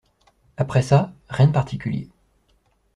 Après ça ? Rien de particulier.